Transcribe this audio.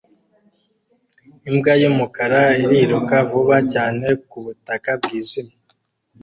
Imbwa yumukara iriruka vuba cyane kubutaka bwijimye